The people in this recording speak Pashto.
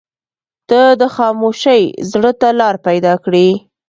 • ته د خاموشۍ زړه ته لاره پیدا کړې.